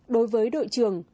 đối với đội trưởng